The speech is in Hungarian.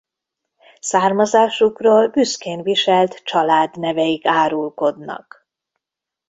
Származásukról büszkén viselt családneveik árulkodnak.